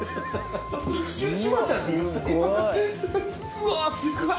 うわぁすごい！